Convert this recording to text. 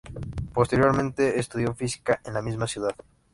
Posteriormente estudió Física en la misma ciudad.